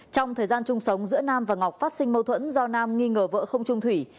trong thời gian chung sống giữa nam và ngọc phát sinh mâu thuẫn do nam nghi ngờ vợ không trung thủy